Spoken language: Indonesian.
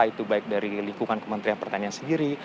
itu baik dari lingkungan kementerian pertanian sendiri